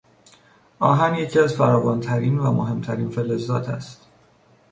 آهن یکی از فراوان ترین و مهمترین فلزات است.